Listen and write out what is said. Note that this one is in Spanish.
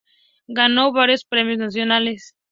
Ganó varios premios nacionales.